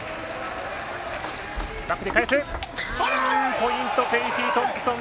ポイントフェイシートンプソン。